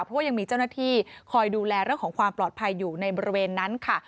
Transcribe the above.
เพราะว่ายังมีเจ้าหน้าที่คอยดูแลเรื่องของความปลอดภัยอยู่ในบริเวณนั้นค่ะ